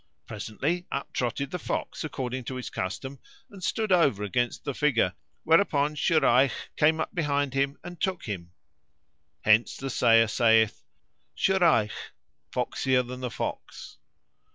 Presently up trotted the fox according to his custom and stood over against the figure, whereupon Shurayh came behind him, and took him. Hence the sayer saith, 'Shurayh foxier than the fox.'"